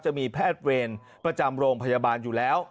จะมีแพทย์เวรประจำโรงพยาบาลอยู่แล้ว